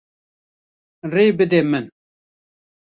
Rê bide min.